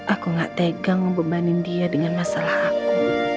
aku gak tegang membebanin dia dengan masalah aku